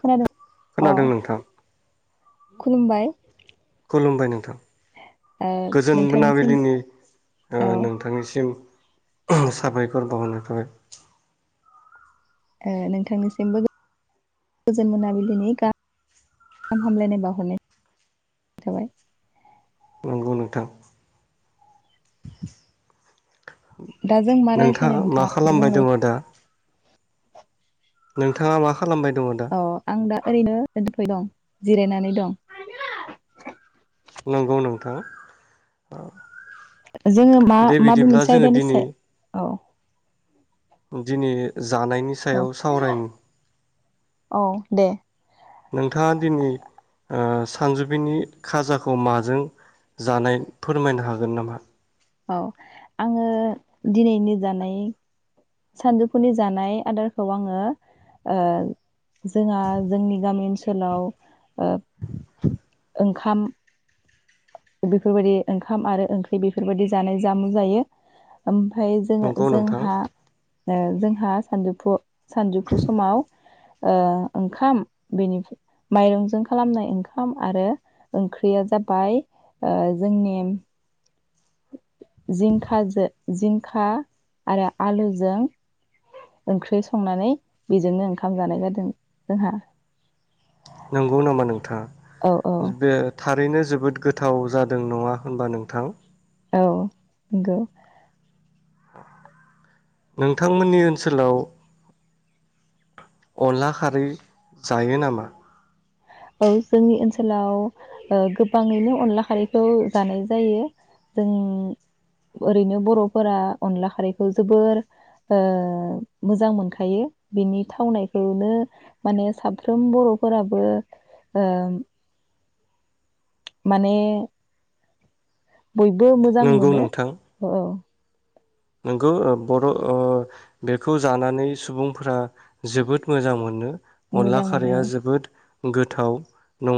खोनादों अ खोनादों नोंथां खुलुमबाय ' खुलुमबाय नोंथां गोजोन नोंथांनिसिम मोनाबिलिनि ओ औ नोंथांनिसिम साबायखर बावहरनाय थाबाय ओ नोंथांनिसिमबो गोजोन मोनाबिलिनि गाहाम हामलायनाय बावहरनाय थाबाय थां दा जों मा रायज्लायनो नोंथाङा मा एसे खालामबाय बुंलाय दङ दा? नोंथाङा मा खालामबाय दङ दा औ आं दा ओरैनो दं। जिरायनानै दं। नंगौ नोंथां। जोङो मा दे माबे बिदिब्ला मोनसे जोङो आयदानि दिनै सा औ। दिनै जानायनि औ सायाव सावरायनि औ दे थानजुफनि खाजाखौ माजों जानाय फोरमायनो हागोन नामा? औ आङो दिनैनि जानाय सानजौफुनि जानाय आदारखौ आङो ओ जोंहा जोंनि गामि ओनसोलाव ओ [inaudible] ओंखाम बेफोरबायदि ओंखाम आरो ओंख्रि बेफोरबायदि जानाय जामुं जायो ओम फाय जोङो नंगौ नोंथां जोंहा ओ जोंहा सानजौफु सानजौफु समाव ओ ओंखाम बेनि माइरंजों खालामनाय ओंखाम आरो ओंख्रिया जाबाय ओ जोंनि जिंखाजो जिंखा आरो आलुजों ओंख्रि संनानै बेजोंनो ओंखाम जानाय जादों जोंहा। नंगौ नामा नोंथां? औ औ बे थारैनो जोबोद गोथाव जादों नङा होनबा नोंथां औ नंगौ। नोंथांमोननि ओनसोलाव अनला खारै जायो नामा? औ जोंनि ओनसोलाव गोबाङैनो अनला खारैखौ जानाय जायो जों ओरैनो बर'फोरा अनला खारैखौ जोबोर मोजां मोनखायो बिनि थावनायखौनो माने साफ्रोम बर'फोराबो। औ माने बयबो मोजां नंगौ मोनो नोंथां औ औ गौ बर' औ बेखौ जानानै सुबुंफोरा जोबोद मोजां मोनो। अनला मोजां मोनो खारैया जोबोद। गोथाव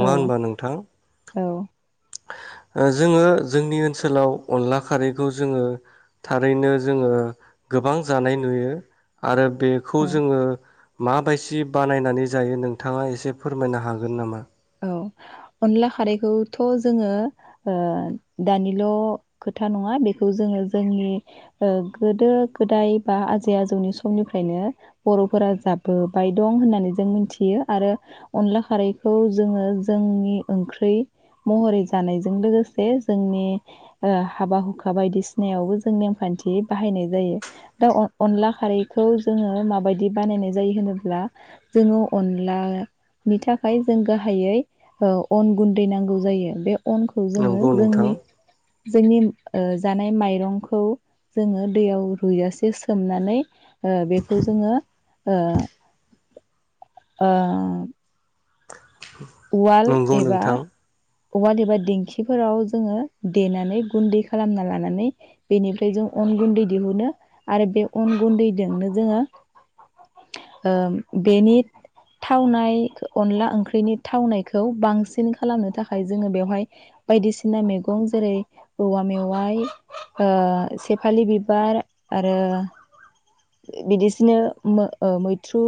औ होनबा नोंथां औ ओ जोङो जोंनि ओनसोलाव अनला खारैखौ जोङो था रैनो जोङो गोबां जानाय नुयो आरो बेखौ औ जोङो माबायदि बानायनानै जायो नोंथाङा एसे फोरमायनो हागोन नामा औ अनला खारैखौथ' जोङो ओ दानिल' खोथा नङा बेखौ जोङो जोंनि ओ गोदो गोदाय बा आजै आजौनि समनिफ्रायनो बर'फोरा जाबोबाय दं होननानै जों मिथियो आरो अनला खारैखौ जोङो जोंनि ओंख्रि महरै जानायजों लोगोसे जोंनि हाबा हुखा बायदिसिनायावबो जों नेमखान्थि बाहायनाय जायो दा अ-अनला खारैखौ जोङो माबायदि बानायनाय जायो होनोब्ला जोङो अनलानि थाखाय जों गाहाय यै ओ अन गुन्दै नांगौ जायो। बे अनखौ जोङो नंगौ नोंथां जोंनि जोंनि ओ जानाय माइरंखौ जोङो दैयाव रुइजासे सोमनानै ओ बेखौ जोङो ओ ओ उवाल नंगौ एबा नोंथां उवाल एबा दिंखिफोराव जोङो देनानै गुन्दै खालामना लानानै बेनिफ्राय जों अन गुन्दै दिहुनो आरो बे अन गुन्दैजोंनो जोङो ओ बेनि थावनाय अनला ओंख्रिनि थावनायखौ बांसिन खालामनो थाखाय जोङो बेवहाय बायदिसिना मैगं जेरै औवा मेवाइ ओ सेफालि बिबार आरो बिदिसिनो ओ मैथ्रु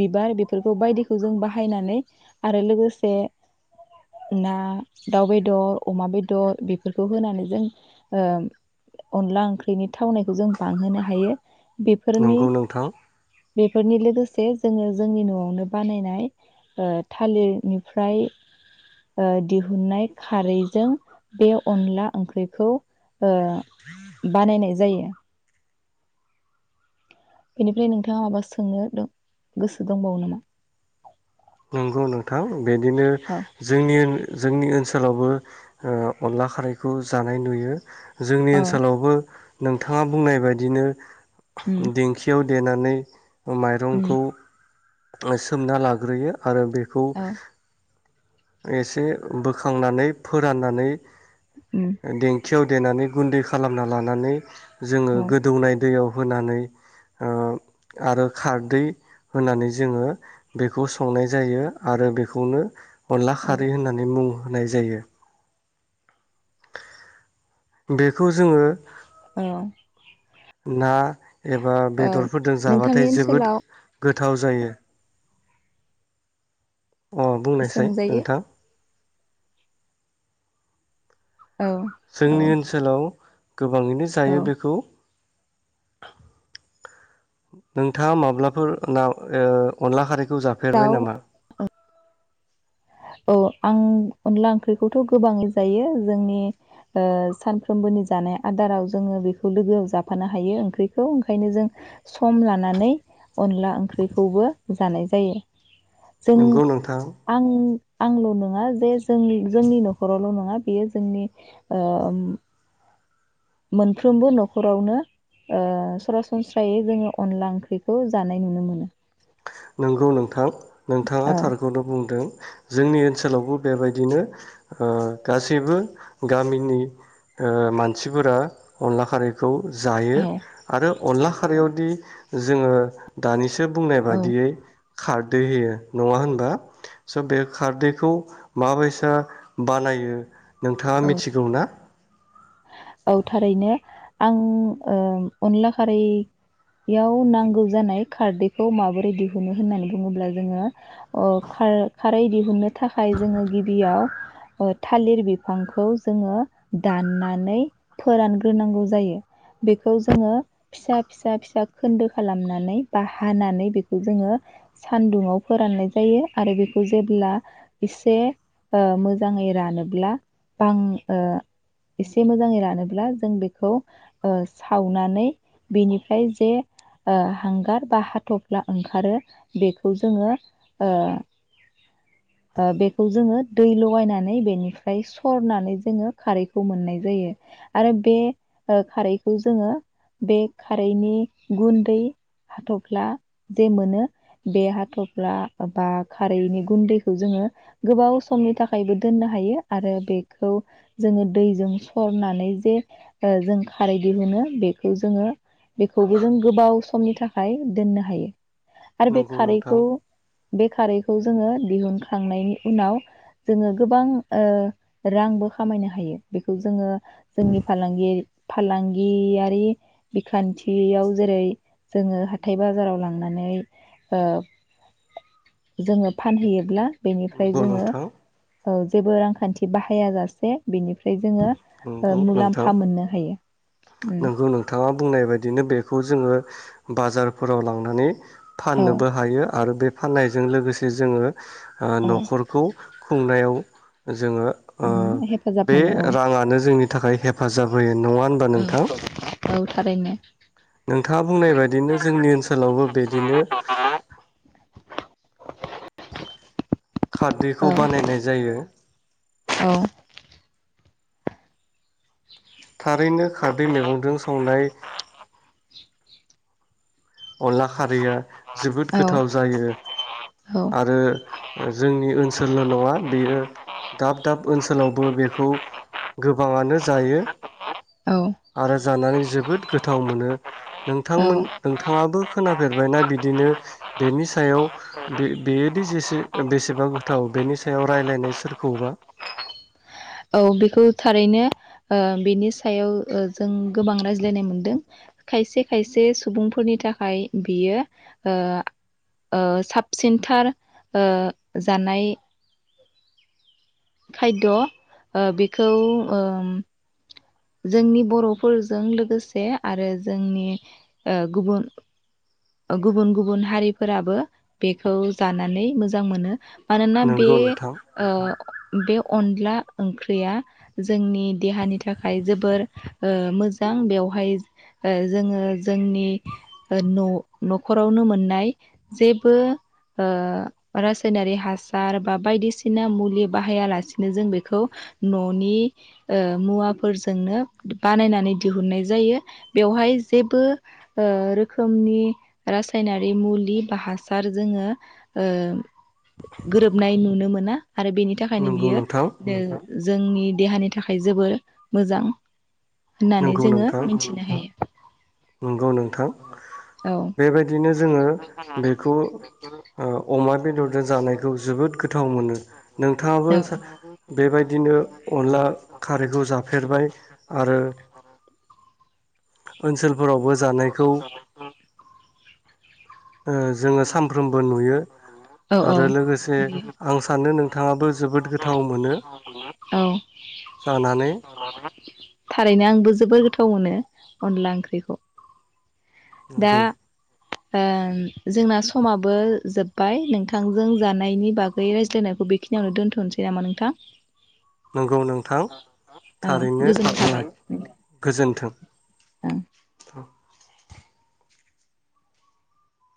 बिबार बेफोरखौ बायदिखौ जों बाहायनानै आरो लोगोसे ना दाउ बेदर अमा बेदर बेफोरखौ होनानै जों ओ अनला ओंख्रिनि थावनायखौ जों बांहोनो हायो। बेफोरनि नंगौ नोंथां बेफोरनि लोगोसे जोङो जोंनि न'आवनो बानायनाय ओ थालिरनिफ्राय दिहुननाय खारैजों बे अनला ओंख्रिखौ ओ बानायनाय जायो बेनिफ्राय नोंथाङा माबा सोंनो दं गोसो दंबावो नामा? नंगौ नोंथां बिदिनो औ जोंनि जोंनि ओनसोलावबो ओ अनला खारैखौ जानाय नुयो। जोंनि औ ओनसोलावबो नोंथाङा बुंनाय बायदिनो उम दिंखियाव देनानै बा उम माइरंखौ सोमना लाग्रोयो। आरो बेखौ औ एसे बोखांनानै फोराननानै उम ओ देंखियाव देनानै गुन्दै खालामना लानानै जोङो औ गोदौनाय दैयाव होनानै ओ आरो खारदै होनानै जेंङो बेखौ सं नाय जायो आरो बेखौनो अनला औ खारै होननानै बुङो। होनाय जायो। बेखौ जोङो‌ ओ। ना। एबा बेदरफोरजों नोंथांनि जाबाथाय जोबोद ओनसोलाव गोथ थाव जायो। अ बुंनायसाय सोंजायो नोंथां। औ औ जोंनि ओनसोलाव। गोबाङैनो औ जायो बेखौ। नोंथाङा माब्लाफोर ना ओ अनला खारै खौ जाफेरबाय दाउ नामा? औ आं अनला ओंख्रिखौथ' गोबाङै जायो जोंनि ओ सानफ्रोमबोनि जानाय आदाराव जोङो बेखौ लोगोआव जाफानो हायो ओंख्रिखौ ओंखायनो जों सम लानानै। अनला ओंख्रिखौबो। जानाय जायो। जों नंगौ नोंथां आं। आंल' नङा जे जोंनि जोंनि न'खरावल' नङा बेयो जोंनि ओम मोनफ्रोमबो न'खरावनो ओ सरासनस्रायै जोङो अनला ओंख्रिखौ जानाय नुनो मोनो। नोंगौ नोंथां नोंथाङा औ थारखौनो बुंदों। जोंनि ओनसोलावबो बेबायदिनो ओ गासैबो गामिनि। ओ मानसिफोरा। अनला खारैखौ। जायो औ आरो अनला खारायावदि जोङो दानिसो बुं औ बियै खारदै होयो नङा होनबा स' बे खारदैखौ माबायसा बानायो? नोंथाङा मिथिगौ ना? औ थारैनो आं ओ अनला खारैयाव नांगौ जानाय खारदैखौ माबोरै दिहुनो होननानै बुङोब्ला जोङो ओ खार - खारै दिहुननो थाखाय जोङो गिबियाव थालिर बिफांखौ जोङो दाननानै फोरानग्रोनांगौ जायो बेखौ जोङो फिसा - फिसा-फिसा खोन्दो खालामनानै बा हानानै बेखौ जोङो सानदुङाव फोराननाय जायो आरो बेखौ जेब्ला एसे ओ मोजाङै रानोब्ला बां ओ एसे मोजाङै रान रानोब्ला जों बेखौ ओ सावनानै बेनिफ्राय जे ओ हांगार बा हाथ'फ्ला ओंखारो बेखौ जोङो ओ -ओ बेखौ जोङो दै लगायनानै बेनिफ्राय सरनानै जोङो खारैखौ मोननाय जायो। आरो बे खारैखौ जोङो बे खारैनि गुन्दै हाथ'फ्ला जे मोनो बे हाथ'फ्ला बा खारैनि गुन्दैखौ जोङो गोबाव समनि थाखायबो दोननो हायो आरो बेखौ जोङो दैजों सरनानै जे ओ जों खारै दि मोनो बेखौ जोङो बेखौबो जों गोबाव समनि थाखाय दोननो हायो। आरो बे नंगौ नोंथां खारैखौ बे खारैखौ जोङो दिहुनखांनायनि उनाव जोङो गोबां ओ रांबो खामायनो हायो बेखौ जोङो, जोंनि फालांगि-फालांगियारि बिखान्थियाव जेरै जोङो हाथाय बाजाराव लांनानै ओ जोङो फानहैयोब्ला बेनिफ्राय नंगौ जोङो नोंथां औ जेबो रांखान्थि बाहाया जासे बिनिफ्राय जोङो ओ नंगौ नोंथां मुलाम्फा मोननो हायो। उम नोंगौ नोंथाङा बुंनाय बायदिनो बेखौ जोङो बाजारफोराव लांनानै औ फाननोबो हायो आरो बे फाननायजों लोगोसे जोङो ओ औ न'खरखौ खुंनायाव जोङो ओ उम हेफाजाब बे मोनो औ राङानो जोंनि थाखाय हेफाजाब होयो। नङा होनबा नों औ औ थारैनो। नोंथाङा बुंनाय बायदिनो जोंनि ओनसोलावबो बिदिनो औ खारदैखौ बानायनाय जायो। औ। थारैनो खारदै मेगंदों संनाय अनला खारैया जोबोद गोथाव जायो। आरो जोंनि ओनसोलल' नङा बेयो दाब दाब ओनसोलावबो बेखौ गोबाङानो जायो औ औ आरो जानानै जोबोद गोथाव मोनो। औ नोंथांमोन नोंथाङाबो खोनाफेरबायना बिदिनो बेनि सायाव बे-बेयोदि जेसे बेसेबा गोथाव बेनि सायाव रायलायनाय सोरखौबा? औ बेखौ थारैनो ओ बिनि सायाव ओ जों गोबां रायज्लायनाय मोनदों। खायसे खायसे सुबुंफोरनि थाखाय बियो ओ ओ साबसिनथार ओ जानाय खायद' ओ बेखौ ओम जोंनि बर'फोरजों लोगोसे आरो जोंनि ओ गुबुन ओ गुबुन गुबुन हारिफोराबो बेखौ जानानै मोजां मोनो। मानोना बे नंगौ नोंथां ओ बे अनला ओंख्रिया जोंनि देहानि थाखाय जोबोर ओ मोजां बेवहाय ओ जोङो जोंनि न' नखरावनो मोननाय जेबो ओ रासायनारि हासार बा बायदिसिना मुलि बाहायालासिनो जों बेखौ न'नि ओ मुवाफोरजोंनो बानायनानै दिहुननाय जायो। बेवहाय जेबो ओ रोखोमनि रासायनारि मुलि बा हासार जोङो ओ गोरोबनाय नुनो मो ना। आरो बेनि थाखायनो नंगौ बियो नोंथां दो जोंनि देहानि थाखाय जोबोर मोजां होननानै नंगौ जोङो मोन्थिनो हायो। औ नोंथां। औ बेबायदिनो जोङो बेखौ ओ अमा बेदरजों जानायखौ जोबोद गोथाव मोनो। नोंथाङाबो औ बेबायदिनो अनला खारैखौ जाफेरबाय आरो ओनसोल फोरावबो जाना [inaudible] ओ जोङो सानफ्रोमबो नुयो औ औ आरो लोगोसे आं सानो नोंथाङाबो जोबोद गोथाव मोनो औ जानानै। द गोथाव मोनो अनला ओंख्रिखौ। दा नोंगौ। ओ जोंना समाबो जोब्बाय नोंथांजों जानायनि बागै रायज्लायनायखौ बेखिनियावनो दोन्थ'नोसै नामा नोंथां? नंगौ नोंथां औ थारैनो गोजोननाय थाबाय लाख नोंथां गोजोनथों